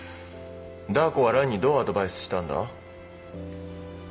ダー子はランにどうアドバイスしたんだ？